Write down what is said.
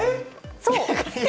そう。